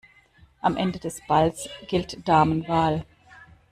Am Ende des Balls gilt Damenwahl.